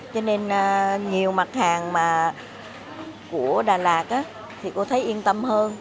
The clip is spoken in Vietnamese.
cho nên nhiều mặt hàng mà của đà lạt thì cô thấy yên tâm hơn